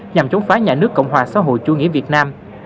nhằm chống phá nhà nước cộng hòa xã hội chủ nghĩa việt nam